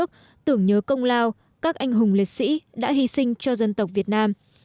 công lao các anh hùng liệt sĩ đã hy sinh cho dân tộc việt nam